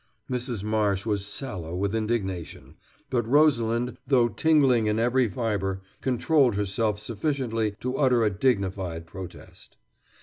Mrs. Marsh was sallow with indignation, but Rosalind, though tingling in every fiber, controlled herself sufficiently to utter a dignified protest.